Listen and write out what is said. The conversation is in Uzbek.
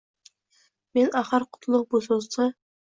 Men axir kutlug’ bu so’zni